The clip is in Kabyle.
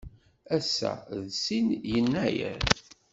Ass-a d sin Yennayer.